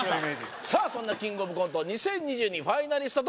そんなキングオブコント２０２２